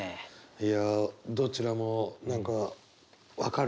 いやどちらも何か分かるよすごく。